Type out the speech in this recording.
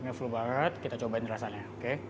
ini full banget kita cobain rasanya